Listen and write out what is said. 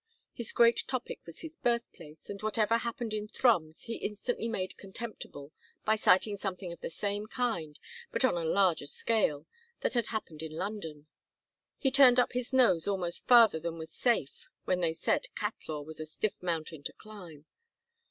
His great topic was his birthplace, and whatever happened in Thrums, he instantly made contemptible by citing something of the same kind, but on a larger scale, that had happened in London; he turned up his nose almost farther than was safe when they said Catlaw was a stiff mountain to climb.